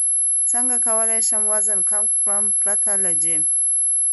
څنګه کولی شم وزن کم کړم پرته له جیم